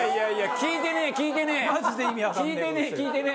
聞いてねー聞いてねー！